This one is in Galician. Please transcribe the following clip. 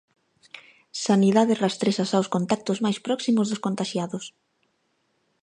Sanidade rastrexa xa os contactos máis próximos dos contaxiados.